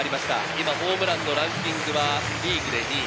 今、ホームランのランキングはリーグで２位。